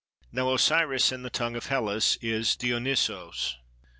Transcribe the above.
Now Osiris in the tongue of Hellas is Dionysos.